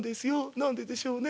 何ででしょうね？